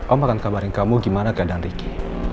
aku mau akan kabarin kamu gimana keadaan ricky